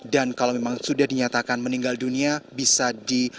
dan kalau memang sudah dinyatakan meninggal dunia bisa di